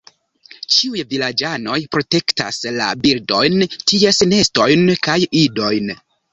Ĉiuj vilaĝanoj protektas la birdojn, ties nestojn kaj idojn.